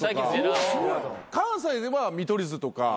関西では見取り図とか。